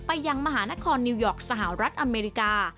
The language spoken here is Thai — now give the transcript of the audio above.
ยังมหานครนิวยอร์กสหรัฐอเมริกา